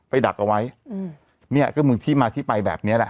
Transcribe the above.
เอาไว้อืมเนี่ยก็มึงทฤมาทฤไปแบบเนี้ยแหละ